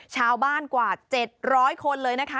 ชาวบ้านกว่า๗๐๐คนเลยนะคะ